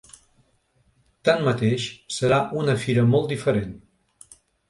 Tanmateix, serà una fira molt diferent.